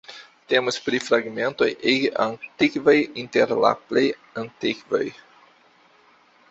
Temas pri fragmentoj ege antikvaj, inter la plej antikvaj.